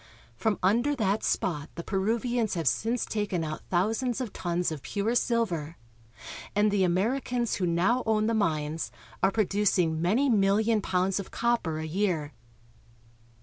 From under that spot the Peruvians have since taken out thousands of tons of pure silver, and the Americans who now own the mines are producing many million pounds of copper a year. 98 BOLIVIA. Bags of Silver.